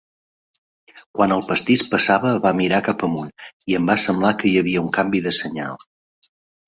Quan el pastís passava, va mirar cap amunt, i em va semblar que hi havia un canvi de senyal.